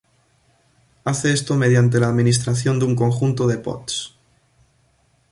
Hace esto mediante la administración de un conjunto de pods.